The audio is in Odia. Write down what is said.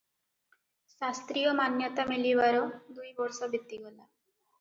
ଶାସ୍ତ୍ରୀୟ ମାନ୍ୟତା ମିଳିବାର ଦୁଇ ବର୍ଷ ବିତିଗଲା ।